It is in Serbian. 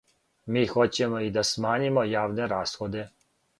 Ми хоћемо и да смањимо јавне расходе.